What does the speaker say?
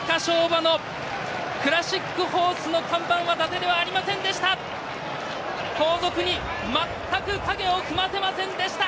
馬のクラシックホースの看板はだてではありませんでした。